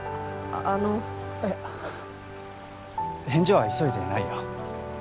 あのいや返事は急いでないよ